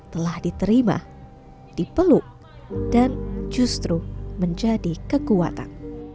telah diterima dipeluk dan justru menjadi kekuatan